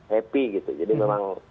happy gitu jadi memang